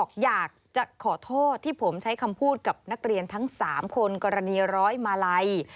อยากจะขอโทษที่ผมใช้คำพูดกับนักเรียนทั้ง๓คนกรณีร้อยมาลัย